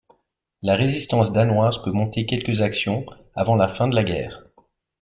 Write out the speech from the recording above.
La résistance danoise peut monter quelques actions avant la fin de la guerre.